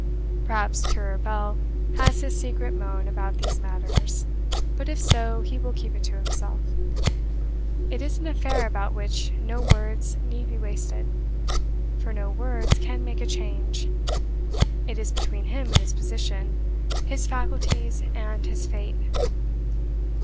"Perhaps Currer Bell has his secret moan about these matters; but if so, he will keep it to himself. It is an affair about which no words need be wasted, for no words can make a change: it is between him and his position, his faculties and his fate."